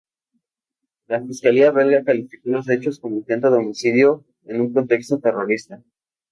La Fiscalía belga calificó los hechos como "intento de homicidio en un contexto terrorista.